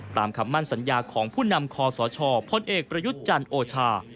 คำมั่นสัญญาของผู้นำคอสชพลเอกประยุทธ์จันทร์โอชา